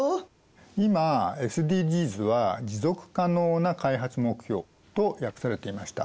今ＳＤＧｓは持続可能な開発目標と訳されていました。